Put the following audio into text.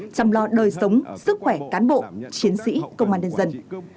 chăm lo đời sống sức khỏe cán bộ chiến sĩ công an nhân dân